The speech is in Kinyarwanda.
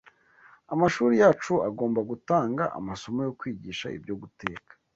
Amashuri yacu Agomba Gutanga Amasomo yo Kwigisha ibyo Guteka